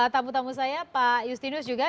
tamu tamu saya pak justinus juga